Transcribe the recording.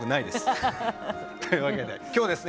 アハハハハ！というわけで今日ですね